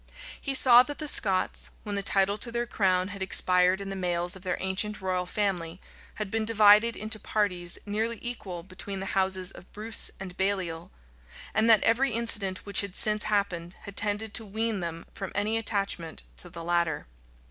He saw that the Scots, when the title to their crown had expired in the males of their ancient royal family, had been divided into parties nearly equal between the houses of Bruce and Baliol; and that every incident which had since happened, had tended to wean them from any attachment to the latter.